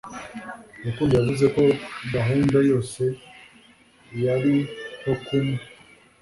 Rukundo yavuze ko gahunda yose yari hokum